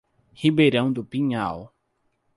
Ribeirão do Pinhal